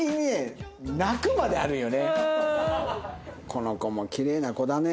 この子もきれいな子だね。